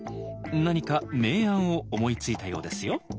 何か名案を思いついたようですよ。